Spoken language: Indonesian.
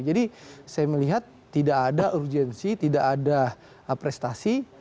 jadi saya melihat tidak ada urgensi tidak ada prestasi